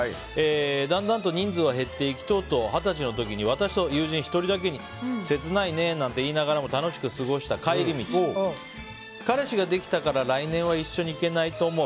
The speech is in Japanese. だんだんと人数は減っていきとうとう二十歳の時に私と友人２人だけに。切ないねなんて言いながらも楽しく過ごした帰り道彼氏ができたから来年はいっしょに行けないと思う。